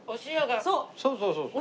そうそうそうそう。